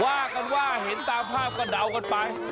ว่ากันว่าเห็นตามภาพก็เดากันไป